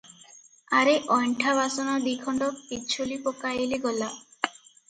ଆରେ ଅଇଣ୍ଠା ବାସନ ଦିଖଣ୍ଡ ପିଛୁଳି ପକାଇଲେ ଗଲା ।